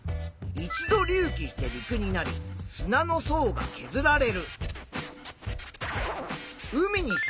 再び隆起して陸になり泥の層がけずられる。